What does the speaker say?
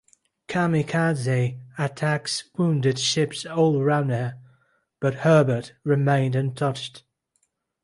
"Kamikaze" attacks wounded ships all around her, but "Herbert" remained untouched.